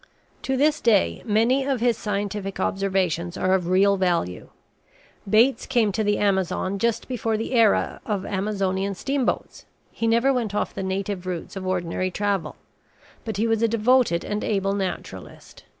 To this day many of his scientific observations are of real value. Bates came to the Amazon just before the era of Amazonian steamboats. He never went off the native routes of ordinary travel. But he was a devoted and able naturalist.